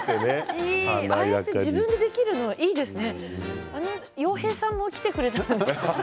ああやって自分でできるのいいですね。